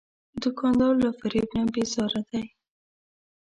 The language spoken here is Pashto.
دوکاندار له فریب نه بیزاره دی.